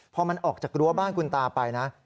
พอมันออกจากรั้วบ้านคุณตาไปนะ